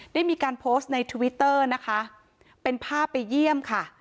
ได้มีการโพสต์ในทวิตเตอร์นะคะเป็นภาพไปเยี่ยมค่ะ